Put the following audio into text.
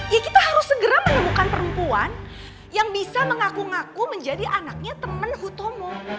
ya kita harus segera menemukan perempuan yang bisa mengaku ngaku menjadi anaknya teman hutomo